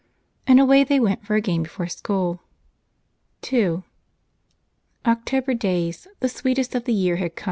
And away they went for a game before school. II. October days, the sweetest of the year, had come.